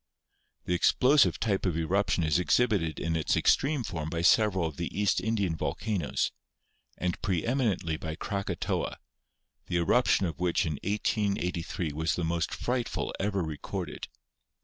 The explosive type of eruption is exhibited in its ex treme form by several of the East Indian volcanoes, and preeminently by Krakatoa, the eruption of which in 1883 was the most frightful ever recorded.